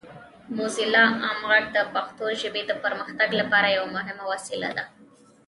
موزیلا عام غږ د پښتو ژبې د پرمختګ لپاره یوه مهمه وسیله ده.